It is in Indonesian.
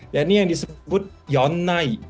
dan ini yang disebut yon nai